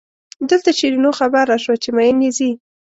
دلته شیرینو خبره شوه چې مئین یې ځي.